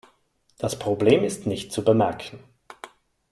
Das Problem ist nicht zu bemerken.